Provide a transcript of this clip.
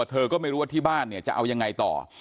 เธอก็ไม่รู้ว่าที่บ้านเนี่ยจะเอายังไงต่อ